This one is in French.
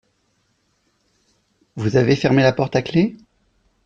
Vous avez fermé la porte à clef ?